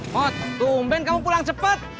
mot tumpen kamu pulang cepat